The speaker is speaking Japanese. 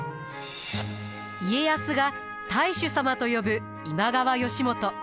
家康が太守様と呼ぶ今川義元。